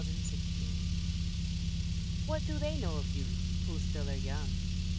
_ YOUTH What do they know of youth, who still are young?